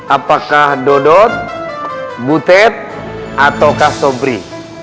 apakah dodot butet ataukah sobri